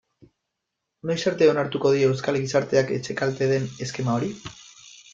Noiz arte onartuko dio euskal gizarteak etxekalte den eskema hori?